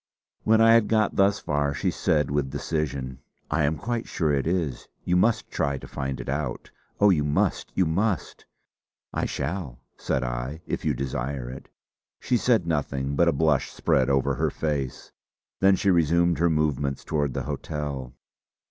When I had got thus far she said with decision: "I am quite sure it is. You must try to find it out. Oh, you must, you must!" "I shall," said I, "if you desire it." She said nothing, but a blush spread over her face. Then she resumed her movement towards the hotel.